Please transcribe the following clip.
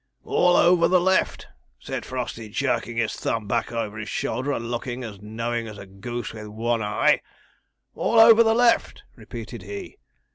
"All over the left," said Frosty, jerking his thumb back over his shoulder, and looking as knowing as a goose with one eye; "all over the left," repeated he.